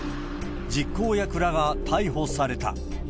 実行役らが逮捕された。